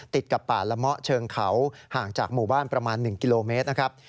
ติดกับป่าละเมาะเชิงเขาห่างจากหมู่บ้านประมาณ๑กิโลเมตรนะครับ